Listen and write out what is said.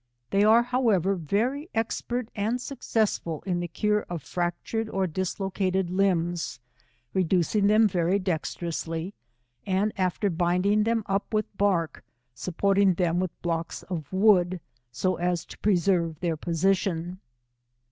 They are, however, very expert and successful in the cure of fractured or dislocated limbs, reducing them very dexterously, and after binding them up with bark, supporting them with blocks of wood, so as to preserve their position.